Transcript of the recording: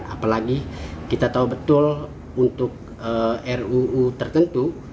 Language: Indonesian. apalagi kita tahu betul untuk ruu tertentu